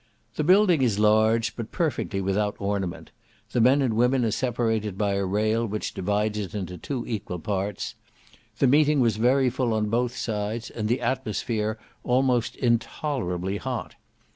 The building is large, but perfectly without ornament; the men and women are separated by a rail which divides it into two equal parts; the meeting was very full on both sides, and the atmosphere almost intolerably hot.